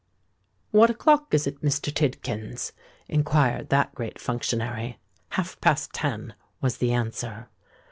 "What o'clock is it, Mr. Tidkins?" inquired that great functionary. "Half past ten," was the answer.